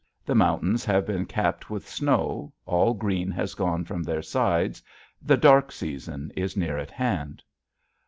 The mountains have been capped with snow, all green has gone from their sides; the dark season is near at hand.